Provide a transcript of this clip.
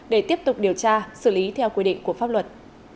để tiếp tục điều tra xử lý theo quy định của pháp luật